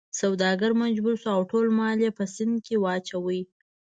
سوداګر مجبور شو او ټول مال یې په سیند کې واچاوه.